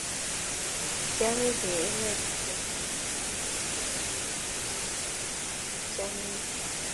Kyamite emet negilegityine eng betushiek chikchamunyi